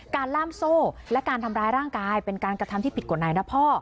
การล่ามโซ่และการทำร้ายร่างกายเป็นการกระทำที่ผิดกฎหมายนะพ่อ